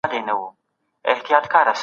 انسان باید ځان له خوبه محروم نه کړي.